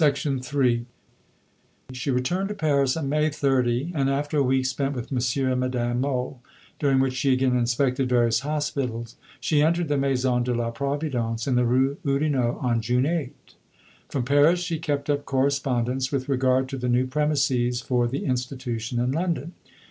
III She returned to Paris on May 30, and after a week spent with M. and Madame Mohl, during which she again inspected various hospitals, she entered the Maison de la Providence in the Rue Oudinot on June 8. From Paris she kept up correspondence with regard to the new premises for the institution in London.